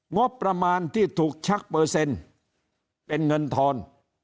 งบประมาณที่ถูกชักเปอร์เซ็นต์เป็นเงินทอน